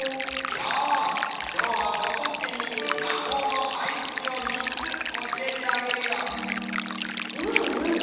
よしきょうはぼこすけにまほうのあいづちをみっつおしえてあげるよ。